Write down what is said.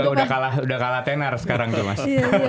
jadi udah kalah tenar sekarang tuh mas